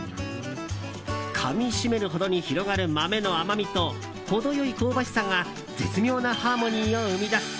かみ締めるほどに広がる豆の甘みと程良い香ばしさが絶妙なハーモニーを生み出す。